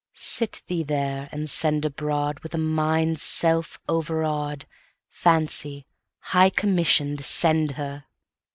Sit thee there, and send abroad, With a mind self overaw'd, Fancy, high commission'd:—send her!